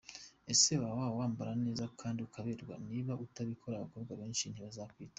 Ese waba wambara neza kandi ukaberwa? Niba utabikora abakobwa benshi ntibazakwitaho.